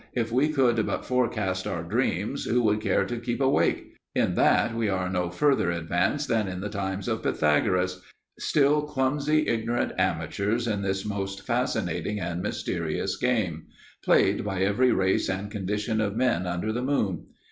If we could but forecast our dreams, who would care to keep awake? In that, we are no further advanced than in the times of Pythagoras; still clumsy, ignorant amateurs in this most fascinating and mysterious game, played by every race and condition of men under the moon.